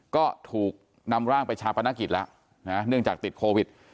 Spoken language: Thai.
ก็ถูกนำร่างไปชาปนกิจแล้วเนื่องจากติดโควิด